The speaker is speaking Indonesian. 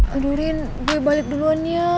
aduh rin gue balik duluan ya